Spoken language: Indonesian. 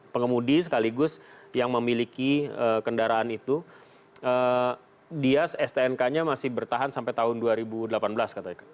pengemudi sekaligus yang memiliki kendaraan itu dia stnk nya masih bertahan sampai tahun dua ribu delapan belas katanya